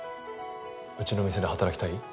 うちの店で働きたい？